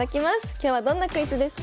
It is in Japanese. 今日はどんなクイズですか？